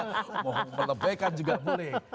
mau melebaikan juga boleh